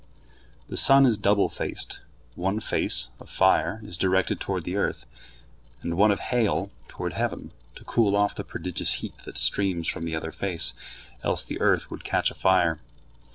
The sun is double faced; one face, of fire, is directed toward the earth, and one of hail, toward heaven, to cool off the prodigious heat that streams from the other face, else the earth would catch afire.